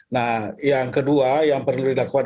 nah yang kedua yang perlu dilakukan